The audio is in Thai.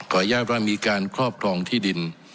อนุญาตว่ามีการครอบครองที่ดิน